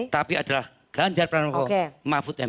tapi adalah ganjar prabowo mahfud mt